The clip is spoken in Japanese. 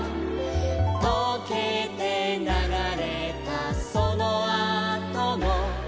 「とけてながれたそのあとも」